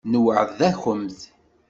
Nweεεed-akumt.